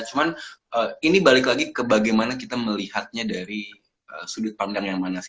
cuman ini balik lagi ke bagaimana kita melihatnya dari sudut pandang yang mana sih